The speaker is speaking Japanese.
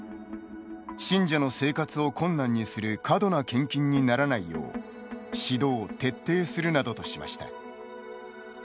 信者の生活を困難にする過度な献金にならないよう指導・徹底するなどとしました。